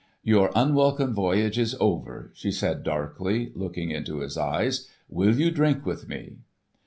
"Your unwelcome voyage is over," she said darkly, looking into his eyes, "will you drink with me?"